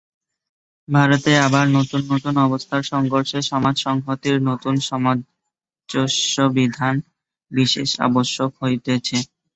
ভারতে আবার নূতন নূতন অবস্থার সংঘর্ষে সমাজ-সংহতির নূতন সামঞ্জস্যবিধান বিশেষ আবশ্যক হইতেছে।